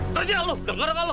kerja lu dengar gak lu